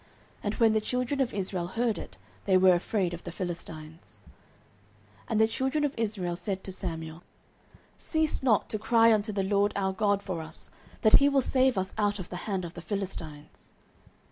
And when the children of Israel heard it, they were afraid of the Philistines. 09:007:008 And the children of Israel said to Samuel, Cease not to cry unto the LORD our God for us, that he will save us out of the hand of the Philistines.